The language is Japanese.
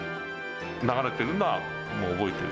流れていたのはもう覚えてる。